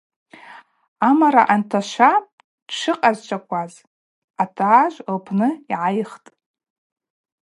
Амара анташва тшыкъазчӏвахкваз атажв лпны йгӏайхтӏ.